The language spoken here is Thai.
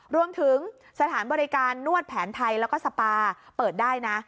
รวมถึงสถานบริการนวดแผนไทยแล้วก็สปาเปิดได้นะ